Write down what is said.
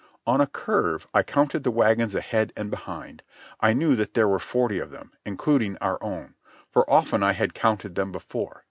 On a curve I counted the wagons ahead and behind. I knew that there were forty of them, including our own; for often I had counted them before.